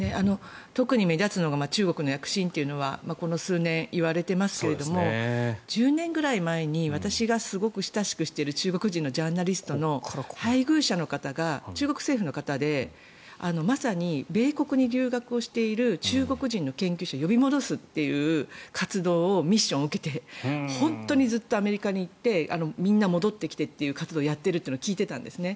特に目立つのが中国の躍進というのは、ここ数年言われていますが１０年ぐらい前に私がすごく親しくしている中国人のジャーナリストの配偶者の方が中国政府の方でまさに米国に留学をしている中国人の研究者を呼び戻す活動をミッションを受けて本当にずっとアメリカに行ってみんな戻ってきてという活動をやっているというのを聞いていたんですね。